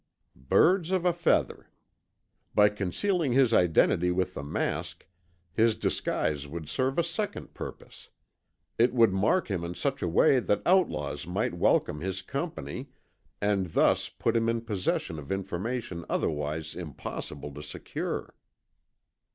Birds of a feather! By concealing his identity with the mask, his disguise would serve a second purpose. It would mark him in such a way that outlaws might welcome his company and thus put him in possession of information otherwise impossible to secure.